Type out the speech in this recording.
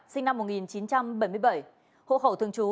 sinh năm một nghìn chín trăm bảy mươi bảy hộ khẩu thường trú